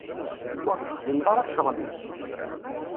Ur texdimeḍ ara ccɣel-ik?